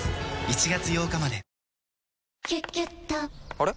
あれ？